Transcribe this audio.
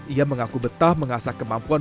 ia mengaku betah mengasah kemampuan